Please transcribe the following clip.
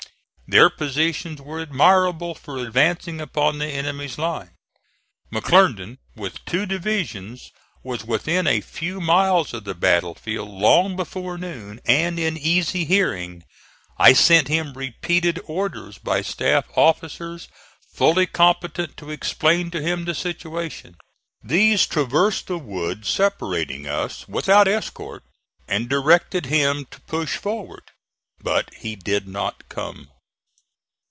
Their positions were admirable for advancing upon the enemy's line. McClernand, with two divisions, was within a few miles of the battle field long before noon and in easy hearing. I sent him repeated orders by staff officers fully competent to explain to him the situation. These traversed the wood separating us, without escort, and directed him to push forward; but he did not come.